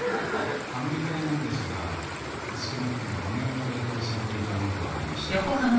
あの遺体なんですが少なくとも５年は冷凍されていたものと分かりまして。